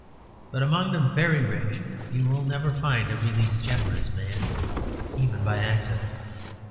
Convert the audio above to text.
But among the Very Rich you will never find a really generous man, even by accident.